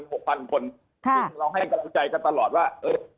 ซึ่งเราให้เข้ารู้ใจกันตลอดว่า